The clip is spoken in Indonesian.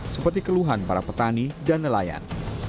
seperti keluhan para petani dan nelayan